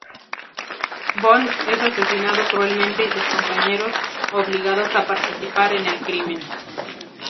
Bones es asesinado cruelmente y sus compañeros, obligados a participar en el crimen.